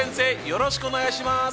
よろしくお願いします！